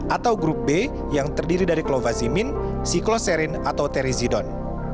atau grup b yang terdiri dari klovasimin sikloserin atau terizidon